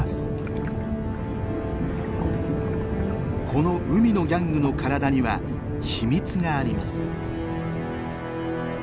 この海のギャングの体には秘密があります。